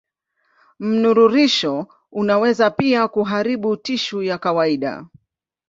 Mnururisho unaweza pia kuharibu tishu ya kawaida.